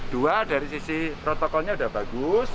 dua dari sisi protokolnya sudah bagus